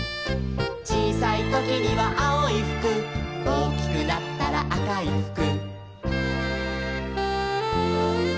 「ちいさいときにはあおいふく」「おおきくなったらあかいふく」